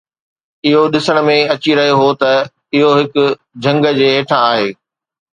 اهو ڏسڻ ۾ اچي رهيو هو ته اهو هڪ جهنگ جي هيٺان آهي